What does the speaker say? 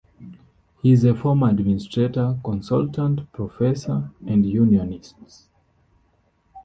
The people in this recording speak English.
He is a former administrator, consultant, professor, and unionist.